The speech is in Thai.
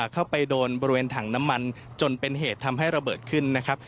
เข้าไปโดนบริเวณถังน้ำมันจนเป็นเหตุทำให้ระเบิดขึ้นนะครับ